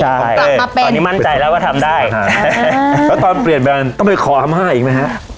ใช่ตอนนี้มั่นใจแล้วว่าทำได้แล้วตอนเปลี่ยนแบรนด์ต้องไปขอพม่าอีกไหมฮะ